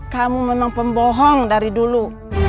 kamu memang pembohong dari dulu